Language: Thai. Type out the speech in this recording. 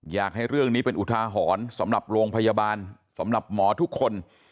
อยากให้เรื่องนี้เป็นอุทาหรณ์สำหรับโรงพยาบาลสำหรับหมอทุกคน